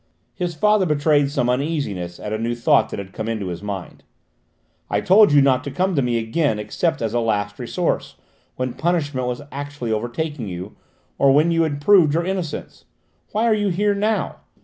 His father betrayed some uneasiness at a new thought that had come into his mind. "I told you not to come to me again except as a last resource, when punishment was actually overtaking you, or when you had proved your innocence: why are you here now?